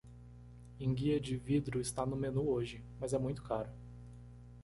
Enguia de vidro está no menu hoje?, mas é muito caro.